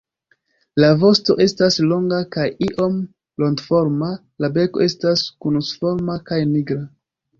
La vosto estas longa kaj iom rondoforma; la beko estas konusforma kaj nigra.